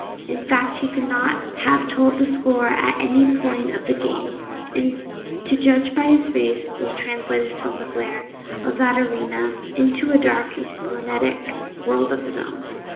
In fact, he could not have told the score at any point of the game; and, to judge by his face, was translated from the glare of that arena into a dark and splenetic world of his own.